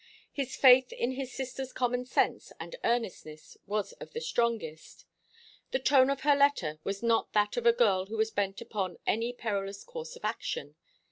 His faith in his sister's common sense and earnestness was of the strongest. The tone of her letter was not that of a girl who was bent upon any perilous course of action.